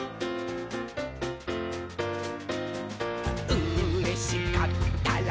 「うれしかったら」